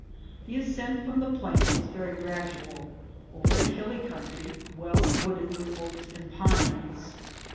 The ascent from the plains was very gradual, over a hilly country, well wooded with oaks and pines.